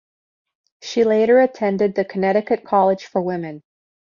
She later attended the Connecticut College for Women.